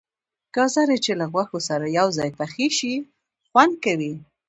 گازرې چې له غوښې سره یو ځای پخې شي خوند کوي.